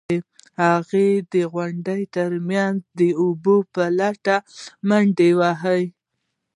هغې د غونډیو ترمنځ د اوبو په لټه منډې وهلې.